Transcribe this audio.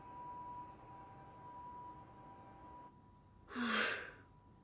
はあ。